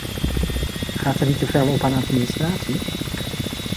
Gaat er niet te veel op aan administratie?